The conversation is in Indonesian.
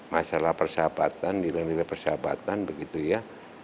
masalah persahabatan nilai nilai persahabatan begitu ya